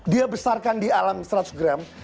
dia besarkan di alam seratus gram